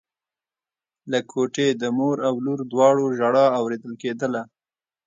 له کوټې د مور او لور دواړو ژړا اورېدل کېدله.